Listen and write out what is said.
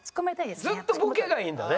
ずっとボケがいいんだね。